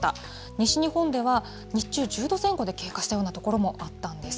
西日本では、日中１０度前後で経過したような所もあったんです。